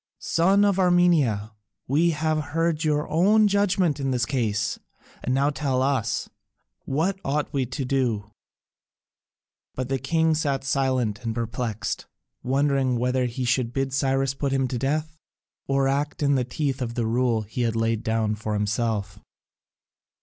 "Son of Armenia, we have heard your own judgment in this case, and now tell us, what ought we to do?" But the king sat silent and perplexed, wondering whether he should bid Cyrus put him to death, or act in the teeth of the rule he had laid down for himself.